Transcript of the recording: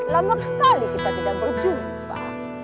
lama sekali kita tidak berjumpa